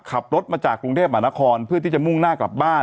ขับรถมาจากกรุงเทพหมานครเพื่อที่จะมุ่งหน้ากลับบ้าน